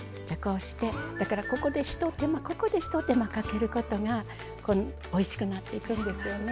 ここでひと手間かけることがおいしくなっていくんですよね。